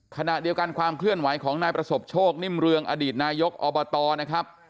ขณะเดียวกันความเคลื่อนไหวของนายประสบโชคนิ่มเรืองอดีตนายกอบตนะครับ